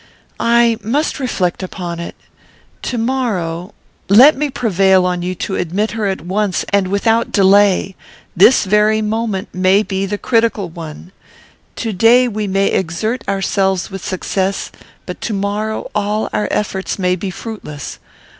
"I must reflect upon it. To morrow " "Let me prevail on you to admit her at once, and without delay. This very moment may be the critical one. To day we may exert ourselves with success, but to morrow all our efforts may be fruitless.